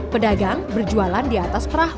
pedagang berjualan di atas perahu